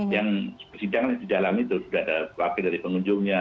yang persidangan di dalam itu sudah ada wakil dari pengunjungnya